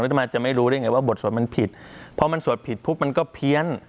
จะมาจะไม่รู้ได้ไงว่าบทสวดมันผิดพอมันสวดผิดปุ๊บมันก็เพี้ยน